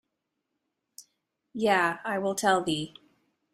Yea, I will tell thee.